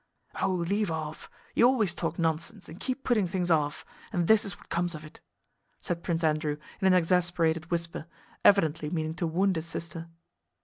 "Oh, leave off, you always talk nonsense and keep putting things off—and this is what comes of it!" said Prince Andrew in an exasperated whisper, evidently meaning to wound his sister.